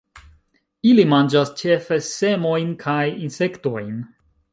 Ili manĝas ĉefe semojn kaj insektojn.